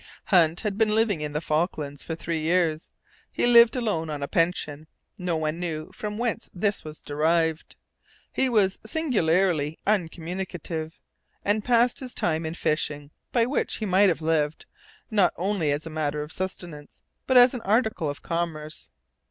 Hunt had been living in the Falklands for three years; he lived alone on a pension, no one knew from whence this was derived. He was singularly uncommunicative, and passed his time in fishing, by which he might have lived, not only as a matter of sustenance, but as an article of commerce.